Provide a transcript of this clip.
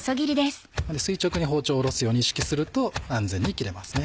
垂直に包丁を下ろすように意識すると安全に切れますね。